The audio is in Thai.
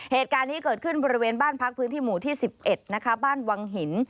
เหตุการณ์นี้เกิดขึ้นบริเวณบ้านพักพื้นที่หมู่ที่๑๑นะคะบ้านวังหิน